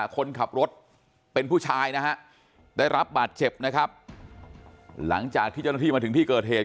คนขับรถเป็นผู้ชายนะฮะได้รับบาดเจ็บนะครับหลังจากที่เจ้าหน้าที่มาถึงที่เกิดเหตุ